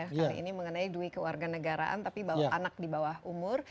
kali ini mengenai duit kewarganegaraan tapi bahwa anak di bawah umur